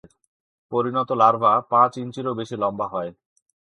পরিণত লার্ভা পাঁচ ইঞ্চিরও বেশি লম্বা হয়।